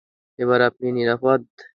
এবার আপনি নিরাপদ।